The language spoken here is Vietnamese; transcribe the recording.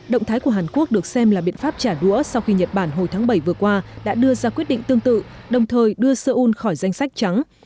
động thái của hàn quốc được xem là biện pháp trả đũa sau khi nhật bản hồi tháng bảy vừa qua đã đưa ra quyết định tương tự đồng thời đưa seoul khỏi danh sách trắng